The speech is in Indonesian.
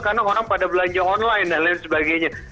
karena orang pada belanja online dan lain sebagainya